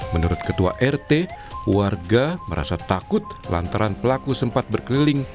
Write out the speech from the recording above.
menurut ketua rt warga merasa takut lantaran pelaku sempat berkeliling